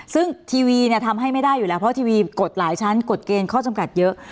ซึ่งทีวีเนี่ยทำให้ไม่ได้อยู่แล้วเพราะทีวีกฎหลายชั้นกฎเกณฑ์ข้อจำกัดเยอะ